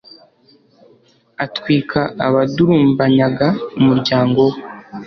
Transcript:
atwika abadurumbanyaga umuryango we